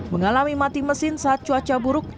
mengalami mati mesin saat cuaca buruk